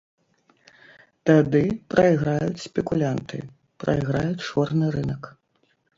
Тады прайграюць спекулянты, прайграе чорны рынак.